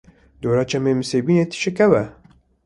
Dora çemê nisêbîne tije kew e.